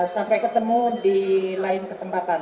sampai ketemu di lain kesempatan